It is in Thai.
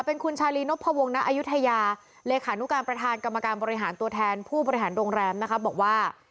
เป็นคุณชาลีนพวงณอายุทยาเลขานุการประธานกรรมการบริหารตัวแทนผู้บริหารโรงแรมนะคะบอกว่า